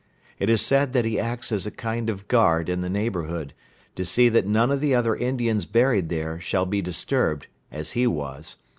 It is said that he acts as a kind of guard in the neighborhood, to see that none of the other Indians buried there shall be disturbed, as he was.